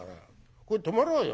ここへ泊まろうよ。